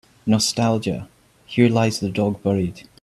nostalgia Here lies the dog buried